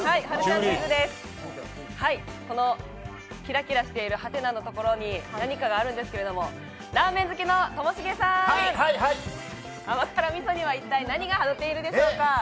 このキラキラしているハテナのところに何かがあるんですけれども、ラーメン好きのともしげさん甘辛ｍｉｓｏには一体何がのっているでしょうか？